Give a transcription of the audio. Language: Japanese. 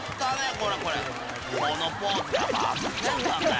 このポーズだよ。